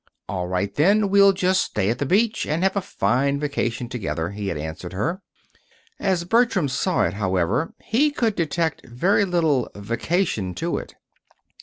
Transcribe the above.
"All right, then, we'll just stay at the beach, and have a fine vacation together," he had answered her. As Bertram saw it, however, he could detect very little "vacation" to it.